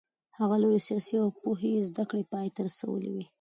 هغه لوړې سیاسي او پوځي زده کړې پای ته رسولې وې.